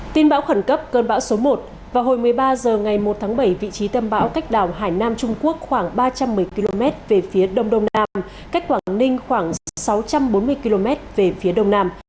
tin bão khẩn cấp cơn bão số một vào hồi một mươi ba h ngày một tháng bảy vị trí tâm bão cách đảo hải nam trung quốc khoảng ba trăm một mươi km về phía đông đông nam cách quảng ninh khoảng sáu trăm bốn mươi km về phía đông nam